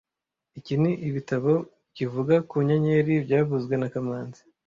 Iki ni ibitabo kivuga ku nyenyeri byavuzwe na kamanzi